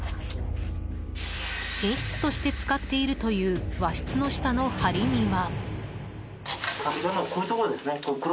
寝室として使っているという和室の下の梁には。